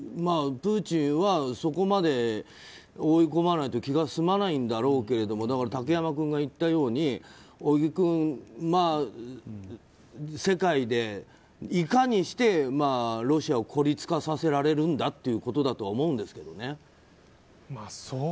プーチンはそこまで追い込まないと気が済まないんだろうけど竹山君が言ったように小木君、世界でいかにしてロシアを孤立化させられるんだということだと思うんですけどね。